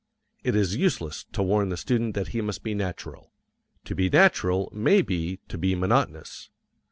It is useless to warn the student that he must be natural. To be natural may be to be monotonous.